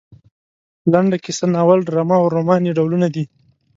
لنډه کیسه ناول ډرامه او رومان یې ډولونه دي.